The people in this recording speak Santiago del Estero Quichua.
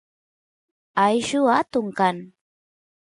ayllu atun kan